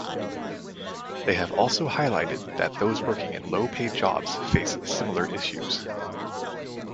They have also highlighted that those working in low paid jobs face similar issues.